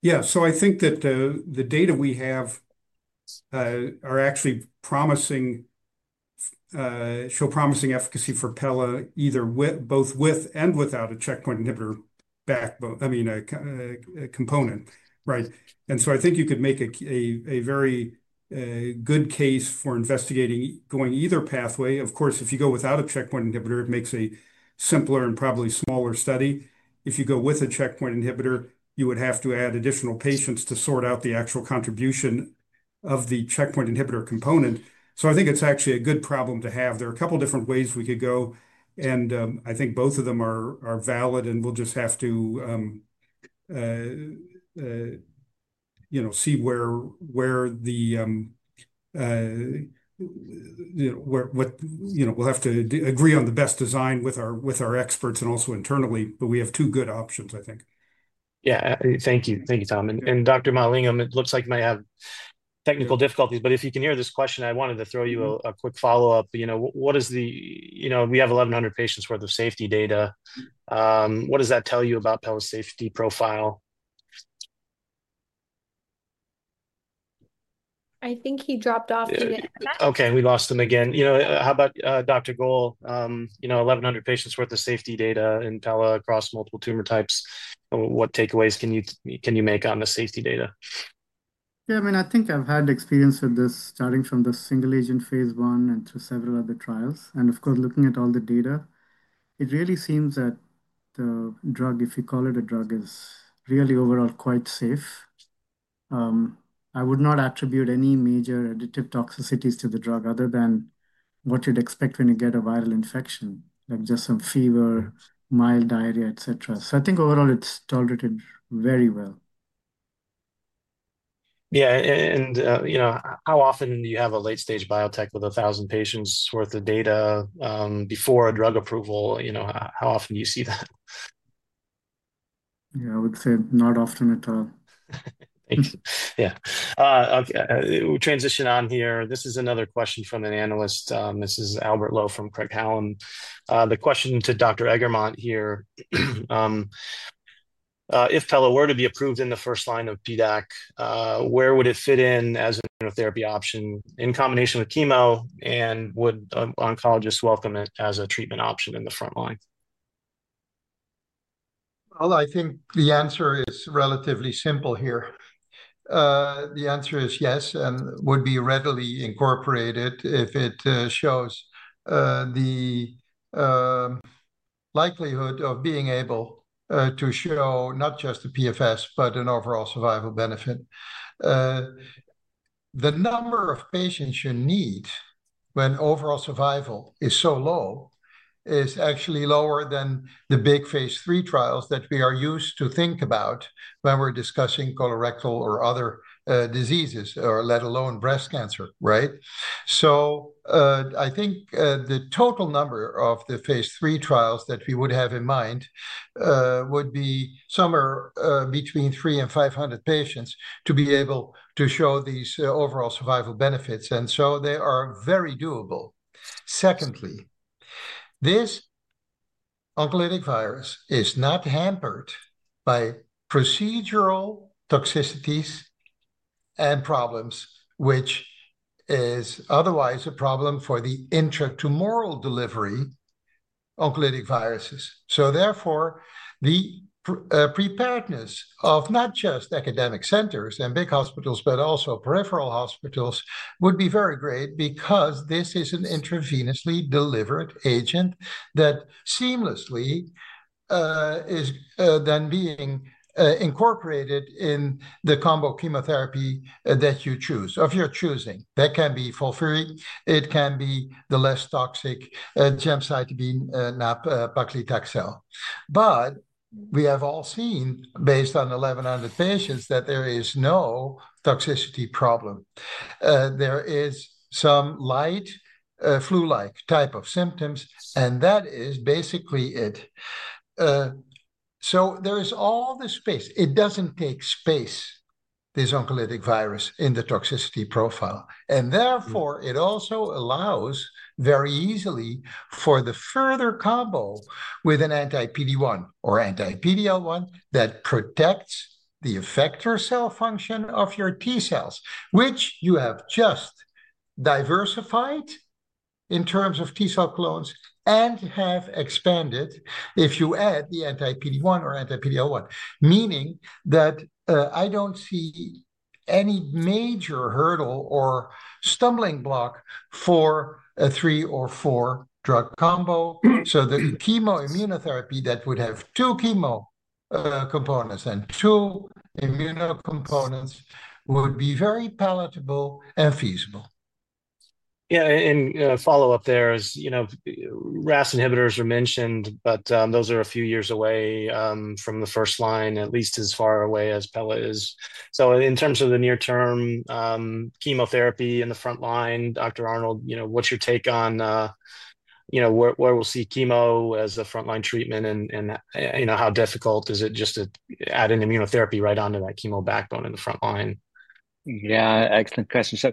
Yeah, so I think that the data we have are actually promising, show promising efficacy for pelareorep either both with and without a checkpoint inhibitor backbone, I mean, component. Right. I think you could make a very, a good case for investigating going either pathway. Of course, if you go without a checkpoint inhibitor, it makes a simpler and probably smaller study. If you go with a checkpoint inhibitor, you would have to add additional patients to sort out the actual contribution of the checkpoint inhibitor component. I think it's actually a good problem to have. There are a couple different ways we could go and I think both of them are valid and we'll just have to see, you know, we'll have to agree on the best design with our experts and also internally. We have two good options, I think. Yeah. Thank you. Thank you, Tom. Dr. Mahalingam, it looks like you might have technical difficulties, but if you can hear this question, I wanted to throw you a quick follow up. You know, what is the, you know, we have 1,100 patients worth of safety data. What does that tell you about PELA safety profile? I think he dropped off. Okay, we lost him again. How about Dr. Goel, you know, 1,100 patients worth of safety data in PELA across multiple tumor types. What takeaways can you make on the safety data? Yeah, I mean, I think I've had experience with this starting from the single agent phase I and to several other trials. Of course, looking at all the data, it really seems that the drug, if you call it a drug, is really overall quite safe. I would not attribute any major additive toxicities to the drug other than what you'd expect when you get a viral infection, like just some fever, mild diarrhea, et cetera. I think overall it's tolerated very well. Yeah. You know, how often do you have a late-stage biotech with 1,000 patients worth of data before a drug approval? How often do you see? Yeah, I would say not often at all. Yeah. Transition on here. This is another question from an analyst. This is Albert Lowe from Craig Hallum. The question to Dr. Eggermont here. If PELA were to be approved in the first-line of PDAC, where would it fit in as a therapy option in combination with chemo, and would oncologists welcome it as a treatment option in the front line? I think the answer is relatively simple here. The answer is yes and would be readily incorporated if it shows the likelihood of being able to show not just the PFS, but an overall survival benefit. The number of patients you need when overall survival is so low is actually lower than the big phase III trials that we are used to think about when we're discussing colorectal or other diseases, let alone breast cancer. Right. I think the total number of the phase III trials that we would have in mind would be somewhere between 300 and 500 patients to be able to show these overall survival benefits, and they are very doable. Secondly, this oncolytic virus is not hampered by procedural toxicities and problems, which is otherwise a problem for the intertumoral delivery oncolytic viruses. Therefore, the preparedness of not just academic centers and big hospitals, but also peripheral hospitals would be very great because this is an intravenously delivered agent that seamlessly is then being incorporated in the combo chemotherapy of your choosing. That can be FOLFIRI, it can be the less toxic gemcitabine, nab-paclitaxel. We have all seen based on 1,100 patients that there is no toxicity problem. There is some light flu-like type of symptoms, and that is basically it. There is all the space. It doesn't take space, this oncolytic virus in the toxicity profile. Therefore, it also allows very easily for the further combo with an anti-PD-1 or anti-PD-L1 that protects the effector cell function of your T cells, which you have just diversified in terms of T cell clones and have expanded. If you add the anti-PD-1 or anti-PD-L1, meaning that I don't see any major hurdle or stumbling block for a three or four drug combo. The chemo-immunotherapy that would have two chemo components and two immunocomponents would be very palatable and feasible. Yeah, and follow up there is, you know, RAS inhibitors are mentioned but those are a few years away from the first line, at least as far away as PELA is. In terms of the near term chemotherapy in the front line, Dr. Arnold, you know, what's your take on, you know, where we'll see chemo as a frontline treatment and you know, how difficult is it just to add an immunotherapy right onto that chemo backbone in the front line? Yeah, excellent question.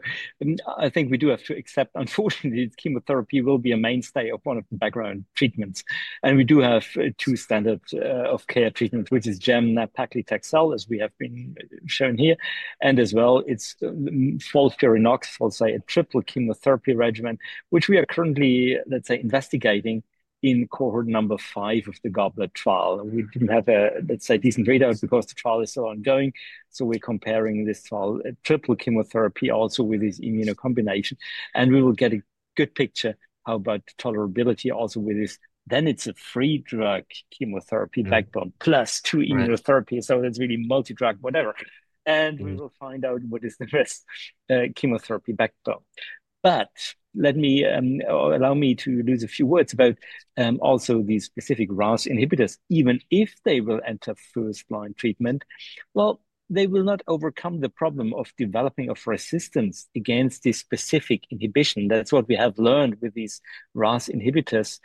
I think we do have to accept, unfortunately, chemotherapy will be a mainstay of one of the background treatments. We do have two standards of care treatment, which is gem, nab-paclitaxel as we have been shown here, and as well it's FOLFIRINOX, we'll say a triple chemotherapy regimen, which we are currently, let's say, investigating in cohort number five of the GOBLET trial. We didn't have a, let's say, decent readout because the trial is still ongoing. We're comparing this triple chemotherapy also with this immunocombination, and we will get a good picture about tolerability also with this. Then it's a three-drug chemotherapy backbone plus two immunotherapy, so it's really multi-drug, whatever, and we will find out what is the best chemotherapy backbone. Let me allow me to lose a few words about also these specific RAS inhibitors. Even if they will enter first-line treatment, they will not overcome the problem of developing resistance against this specific inhibition. That's what we have learned with these RAS inhibitors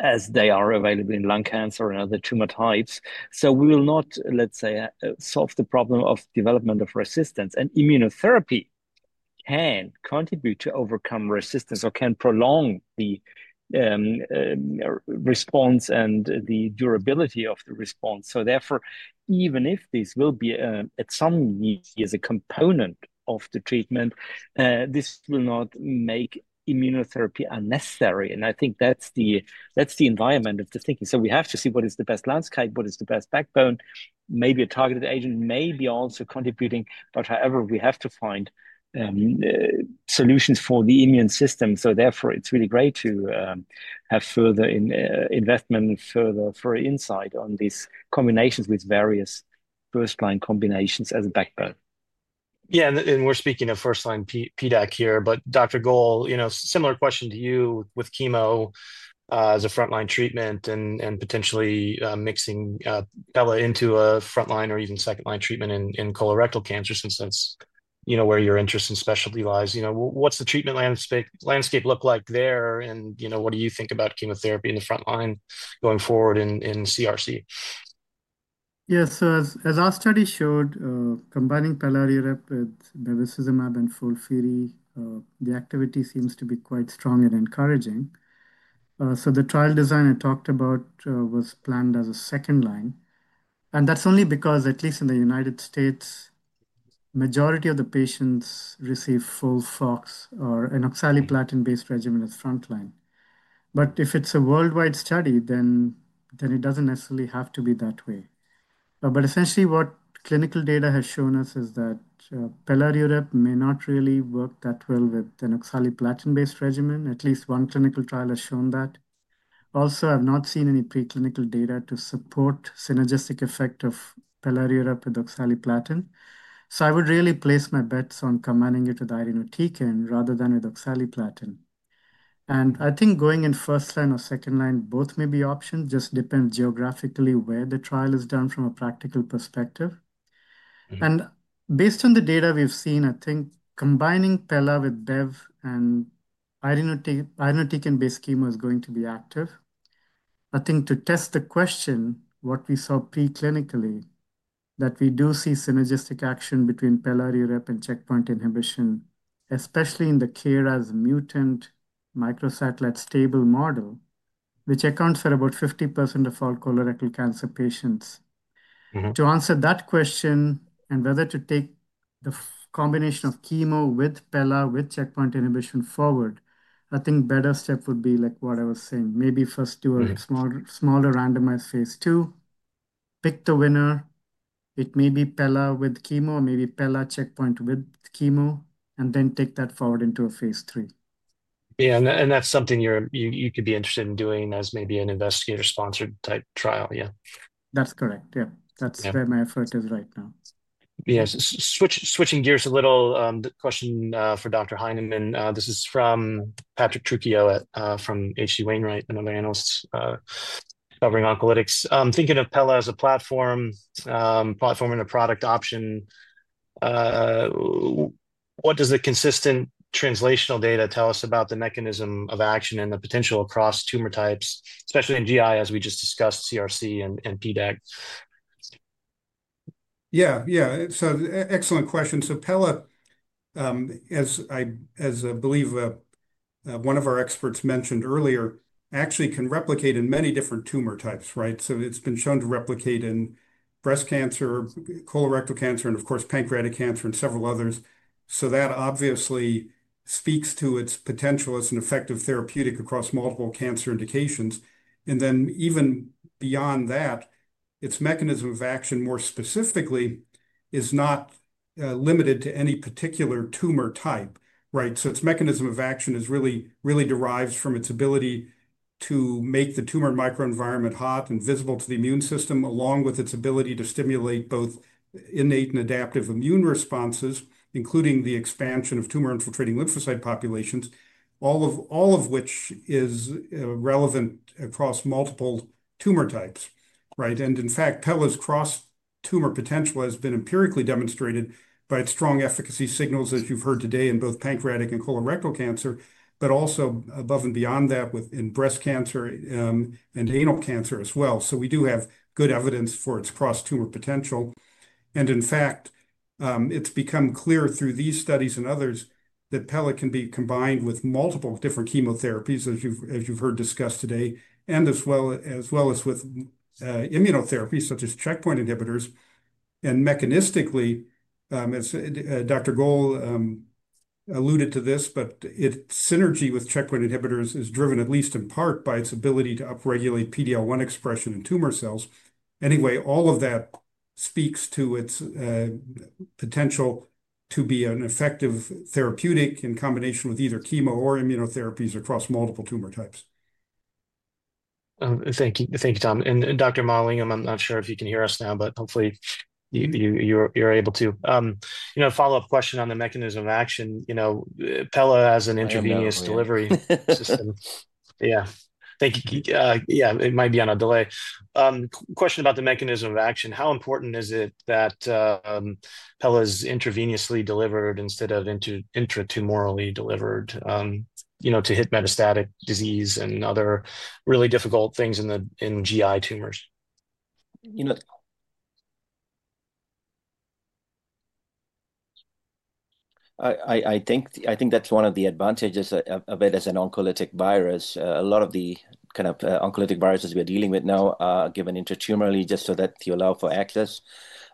as they are available in lung cancer and other tumor types. We will not, let's say, solve the problem of development of resistance. Immunotherapy can contribute to overcome resistance or can prolong the response and the durability of the response. Therefore, even if this will be at some need as a component of the treatment, this will not make immunotherapy unnecessary, and I think that's the environment of the thinking. We have to see what is the best landscape, what is the best backbone. Maybe a targeted agent may be also contributing. However, we have to find solutions for the immune system, it's really great to have further investment, further insight on these combinations with various first-line combinations as a backbone. Yeah. We're speaking of first-line PDAC here. Dr. Goel, similar question to you with chemo as a frontline treatment and potentially mixing PELA into a frontline or even second-line treatment in colorectal cancer, since that's where your interest and specialty lies. What's the treatment landscape look like there, and what do you think about chemotherapy in the frontline going forward in CRC? Yes, as our study showed, combining pelareorep with bevacizumab and FOLFIRI, the activity seems to be quite strong and encouraging. The trial design I talked about was planned as a second line. That's only because at least in the U.S., the majority of the patients receive FOLFOX or an oxaliplatin-based regimen as frontline. If it's a worldwide study, then it doesn't necessarily have to be that way. Essentially, what clinical data has shown us is that pelareorep may not really work that well with an oxaliplatin-based regimen. At least one clinical trial has shown that. Also, I've not seen any preclinical data to support synergistic effect of pelareorep and oxaliplatin. I would really place my bets on combining it with irinotecan rather than with oxaliplatin. I think going in first line or second line, both may be options, just depend geographically where the trial is done. From a practical perspective and based on the data we've seen, I think combining PELA with bev and irinotecan-based schema is going to be active. To test the question, what we saw preclinically, that we do see synergistic action between pelareorep and checkpoint inhibition, especially in the KRAS-mutant microsatellite stable model, which accounts for about 50% of all colorectal cancer patients. To answer that question and whether to take the combination of chemo with PELA with checkpoint inhibition forward, I think a better step would be like what I was saying. Maybe first do a smaller randomized phase II, pick the winner. It may be PELA with chemo or maybe PELA checkpoint with chemo, and then take that forward into a phase III. Yeah, that's something you could be interested in doing as maybe an investigator sponsored type trial. Yeah, that's correct. Yeah, that's where my effort is right now. Yes. Switching gears, a little question for Dr. Heineman. This is from Patrick Trucchio from H.C. Wainwright, another analyst covering Oncolytics, thinking of PELA as a platform and a product option. What does the consistent translational data tell us about the mechanism of action and the potential across tumor types, especially in GI, as we just discussed, CRC and PDAC. Yeah, yeah. Excellent question. PELA, as I believe one of our experts mentioned earlier, actually can replicate in many different tumor types. It's been shown to replicate in breast cancer, colorectal cancer, and of course, pancreatic cancer and several others. That obviously speaks to its potential as an effective therapeutic across multiple cancer indications. Even beyond that, its mechanism of action more specifically is not limited to any particular tumor type. Its mechanism of action really derives from its ability to make the tumor and microenvironment hot and visible to the immune system, along with its ability to stimulate both innate and adaptive immune responses, including the expansion of tumor-infiltrating lymphocyte populations. All of which is relevant across multiple tumor types. In fact, PELA's cross-tumor potential has been empirically demonstrated by its strong efficacy signals, as you've heard today, in both pancreatic and colorectal cancer, but also above and beyond that within breast cancer and anal cancer as well. We do have good evidence for its cross-tumor potential. In fact, it's become clear through these studies and others that PELA can be combined with multiple different chemotherapies, as you've heard discussed today, as well as with immunotherapy, such as checkpoint inhibitors. Mechanistically, Dr. Goel alluded to this, but its synergy with checkpoint inhibitors is driven at least in part by its ability to upregulate PD-L1 expression in tumor cells. All of that speaks to its potential to be an effective therapeutic in combination with either chemo or immunotherapies across multiple tumor types. Thank you. Thank you, Tom. Dr. Mahalingam, I'm not sure if you can hear us now, but hopefully you're able to. A follow-up question on the mechanism of action: you know, PELA as an intravenous delivery system. Thank you. Yeah, it might be on a delay. Question about the mechanism of action. How important is it that PELA is intravenously delivered instead of intratumorally delivered, you know, to hit metastatic disease and other really difficult things in the GI tumors? You know. I think that's one of the advantages of it as an oncolytic virus. A lot of the kind of oncolytic viruses we are dealing with now are given intratumorally just so that you allow for access.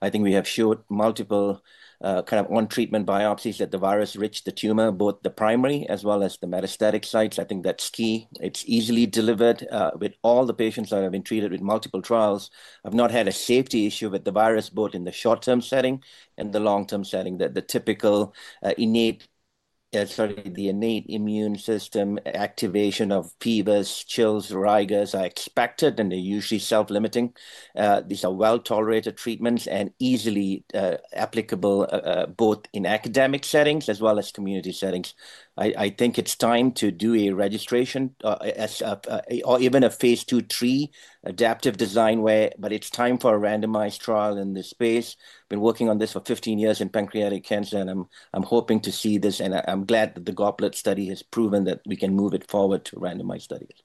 I think we have showed multiple kind of on-treatment biopsies that the virus reached the tumor, both the primary as well as the metastatic sites. I think that's key. It's easily delivered with all the patients that have been treated with multiple trials. I've not had a safety issue with the virus both in the short-term setting and the long-term setting. The typical innate immune system activation of fevers, chills, rigors are expected and usually self-limiting. These are well-tolerated treatments and easily applicable both in academic settings as well as community settings. I think it's time to do a registration or even a phase II, III adaptive design way, but it's time for a randomized trial in this space. Been working on this for 15 years in pancreatic cancer and I'm hoping to see this and I'm glad that the GOBLET study has proven that we can move it forward to randomized that it.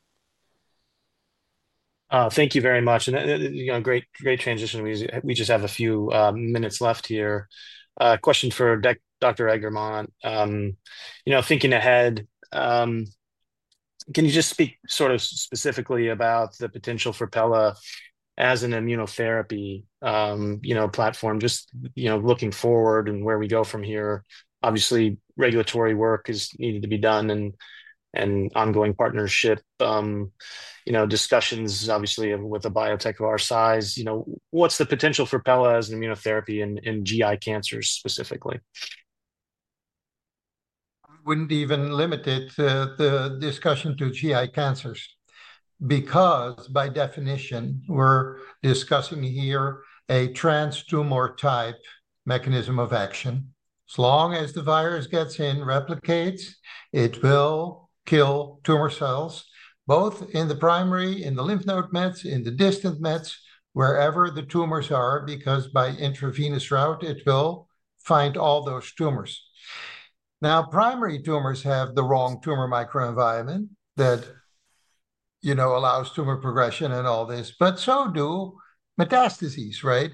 Thank you very much, great transition. We just have a few minutes left here. Question for Dr. Eggermont. Thinking ahead, can you just speak specifically about the potential for PELA as an immunotherapy platform, just looking forward and where we go from here? Obviously, regulatory work is needed to be done and ongoing partnership discussions, obviously with a biotech of our size. What's the potential for PELA as an immunotherapy in GI cancers specifically? Wouldn't even limit the discussion to GI cancers because by definition we're discussing here a trans tumor type mechanism of action. As long as the virus gets in, replicates, it will kill tumor cells both in the primary, in the lymph node mets, in the distant mets, wherever the tumors are. Because by intravenous route it will find all those tumors. Now, primary tumors have the wrong tumor microenvironment that allows tumor progression and all this, but so do metastases, right?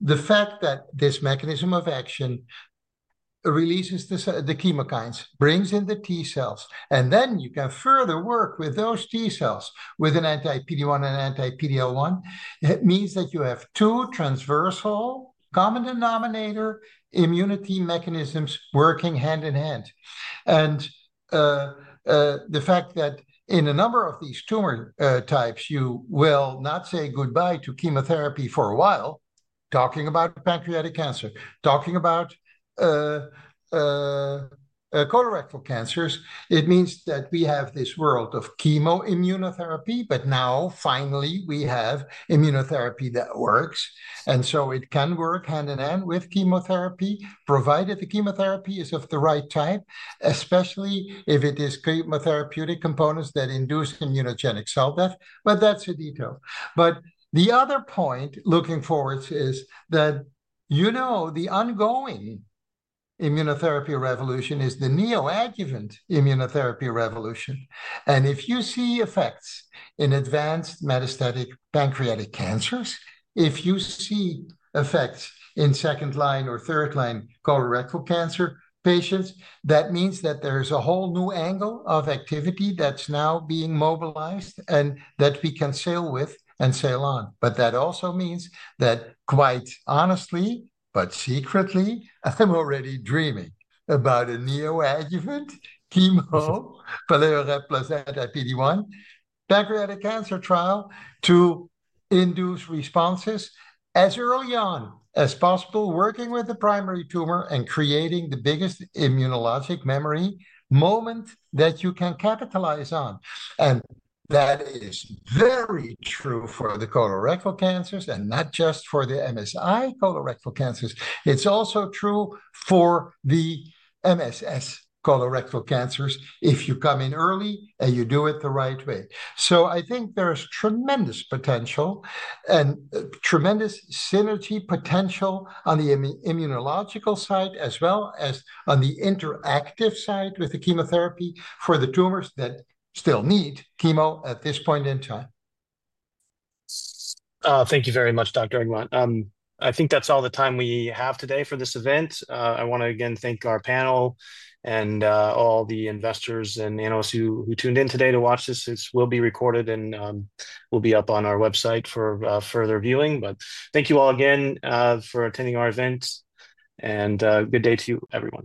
The fact that this mechanism of action releases the chemokines, brings in the T cells, and then you can further work with those T cells with an anti-PD1 and anti-PD-L1 means that you have two transversal common denominator immunity mechanisms working hand in hand. The fact that in a number of these tumor types you will not say goodbye to chemotherapy for a while, talking about pancreatic cancer, talking about colorectal cancers, it means that we have this world of chemo-immunotherapy. Now, finally, we have immunotherapy that works. It can work hand in hand with chemotherapy, provided the chemotherapy is of the right type, especially if it is chemotherapeutic components that induce immunogenic cell death. That's a detail. The other point, looking forward, is that the ongoing immunotherapy revolution is the neoadjuvant immunotherapy revolution. If you see effects in advanced metastatic pancreatic cancers, if you see effects in second line or third line colorectal cancer patients, that means that there's a whole new angle of activity that's now being mobilized and that we can sail with and sail on. That also means that, quite honestly, but secretly, I'm already dreaming about a neoadjuvant chemo pelareorep plus anti-PD1 pancreatic cancer trial to induce responses as early on as possible, working with the primary tumor and creating the biggest immunologic memory moment that you can capitalize on. That is very true for the colorectal cancers and not just for the MSI colorectal cancers. It's also true for the MSS colorectal cancers if you come in early and you do it the right way. I think there's tremendous potential and tremendous synergy potential on the immunological side, as well as on the interactive side with the chemotherapy for the tumors that still need chemo at this point in time. Thank you very much, Dr. Eggermont. I think that's all the time we have today for this event. I want to again thank our panel and all the investors and analysts who tuned in today to watch this. This will be recorded and will be up on our website for further viewing. Thank you all again for attending our event, and good day to you, everyone.